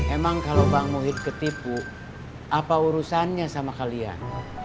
emang kalau bang muhid ketipu apa urusannya sama kalian